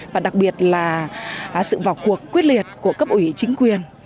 và đặc biệt là sự vào cuộc quyết liệt của cấp ủy chính quyền